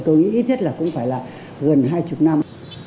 tôi nghĩ ít nhất là cũng phải là gần hai chục năm